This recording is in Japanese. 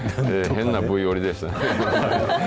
変なＶ終わりでしたね。